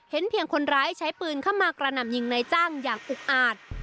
เพียงคนร้ายใช้ปืนเข้ามากระหน่ำยิงนายจ้างอย่างอุกอาจ